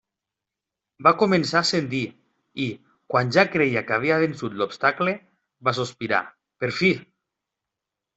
Va començar a ascendir i, quan ja creia que havia vençut l'obstacle, va sospirar, per fi!